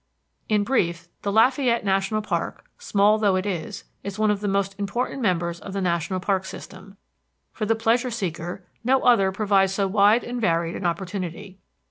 In brief, the Lafayette National Park, small though it is, is one of the most important members of the national parks system. For the pleasure seeker no other provides so wide and varied an opportunity.